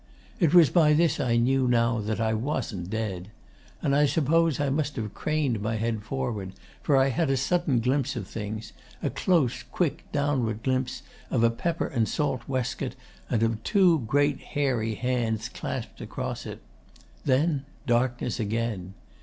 It was by this I knew now that I wasn't dead. And I suppose I must have craned my head forward, for I had a sudden glimpse of things a close quick downward glimpse of a pepper and salt waistcoat and of two great hairy hands clasped across it. Then darkness again.